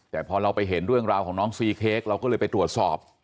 แต่พอเราไปเห็นเรื่องราวของน้องซีเค้กเราก็เลยไปตรวจสอบ